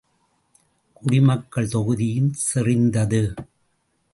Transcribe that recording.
குடி மக்கள் தொகுதியும் செறிந்தது.